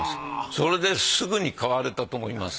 それですぐに買われたと思います。